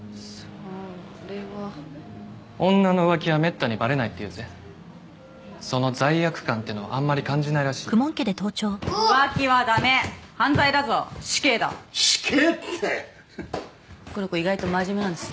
それは女の浮気はめったにバレないっていうぜその罪悪感ってのをあんまり感じないらしいから浮気はダメ犯罪だぞ死刑だ死刑ってこの子意外と真面目なんです